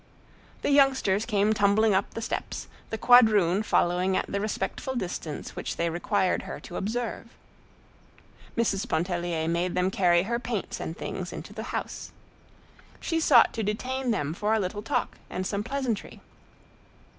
The youngsters came tumbling up the steps, the quadroon following at the respectful distance which they required her to observe. Mrs. Pontellier made them carry her paints and things into the house. She sought to detain them for a little talk and some pleasantry.